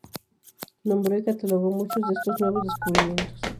Nombró y catalogó muchos de estos nuevos descubrimientos.